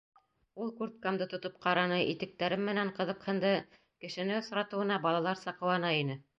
Ул курткамды тотоп ҡараны, итектәрем менән ҡыҙыҡһынды, кешене осратыуына балаларса ҡыуана ине.